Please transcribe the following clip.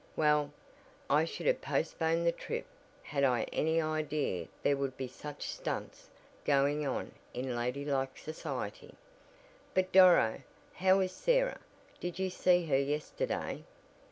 Well, I should have postponed the trip had I any idea there would be such stunts going on in lady like society. But Doro, how is Sarah? Did you see her yesterday?"